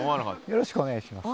よろしくお願いします。